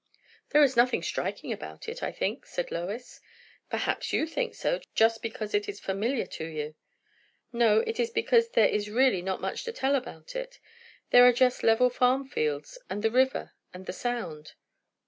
"There is nothing striking about it, I think," said Lois. "Perhaps you think so, just because it is familiar to you." "No, it is because there is really not much to tell about it. There are just level farm fields; and the river, and the Sound."